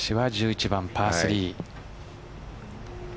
１８番パー３。